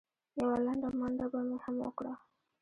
یوه لنډه منډه به مې هم وکړه.